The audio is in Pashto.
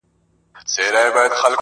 داده غاړي تعويزونه زما بدن خوري.